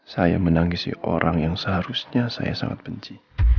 saya menangisi orang yang seharusnya saya sangat benci